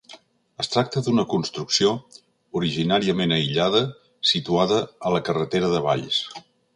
Es tracta d'una construcció, originàriament aïllada, situada a la carretera de Valls.